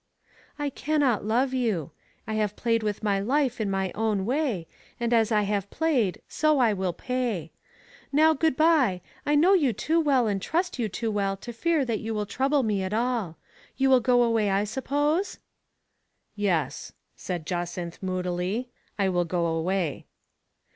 " I cannot love you. I have played with my life in my own way, and as I have played so I will pay. Now, good by, I know you too well and trust you too well to fear that you will trouble me at all. You will go away, I suppose ?"" Yes," said Jacynth moodily, " I will go away."